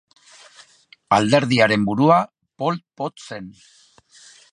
Alderdiaren burua Pol Pot zen.